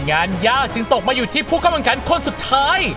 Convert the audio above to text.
งานยากจึงตกมาอยู่ที่ผู้กำลังการคนสุดท้าย